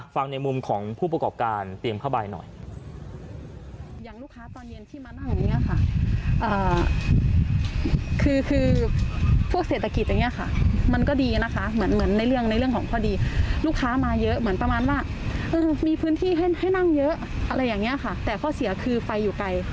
ในมุมของผู้ประกอบการเตรียมผ้าใบหน่อย